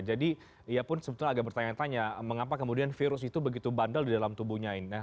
jadi ia pun sebetulnya agak bertanya tanya mengapa kemudian virus itu begitu bandel di dalam tubuhnya ini